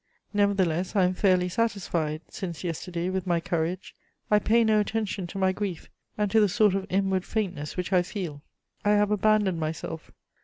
Nevertheless I am fairly satisfied, since yesterday, with my courage. I pay no attention to my grief and to the sort of inward faintness which I feel. I have abandoned myself.